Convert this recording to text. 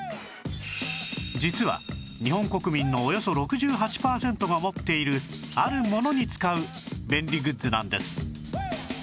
実は日本国民のおよそ６８パーセントが持っているあるものに使う便利グッズなんです